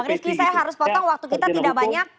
bang rifqi saya harus potong waktu kita tidak banyak